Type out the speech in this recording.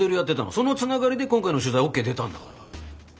そのつながりで今回の取材ＯＫ出たんだから。